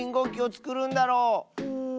うん。